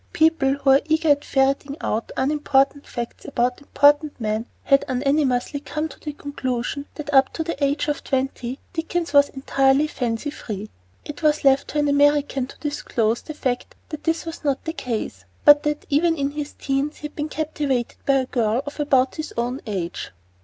People who are eager at ferreting out unimportant facts about important men had unanimously come to the conclusion that up to the age of twenty Dickens was entirely fancy free. It was left to an American to disclose the fact that this was not the case, but that even in his teens he had been captivated by a girl of about his own age.